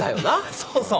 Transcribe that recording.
そうそう。